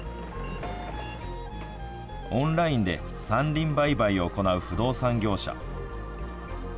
オンラインで山林売買を行う不動産業者。